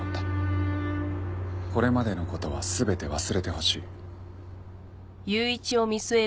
これまでの事は全て忘れてほしい。